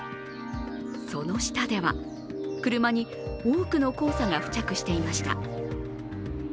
その下では、車に多くの黄砂が付着していました。